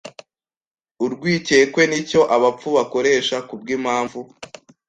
Urwikekwe nicyo abapfu bakoresha kubwimpamvu.